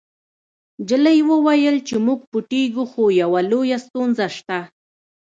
نجلۍ وویل چې موږ پټیږو خو یوه لویه ستونزه شته